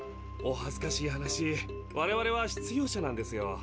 おはずかしい話我々は失業者なんですよ。